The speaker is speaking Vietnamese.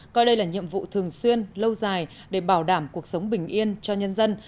coi đây là nhiệm vụ thường xuyên lâu dài để bảo đảm cuộc sống bình yên cho nhân dân